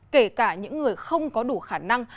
kể cả những người không có đủ khả năng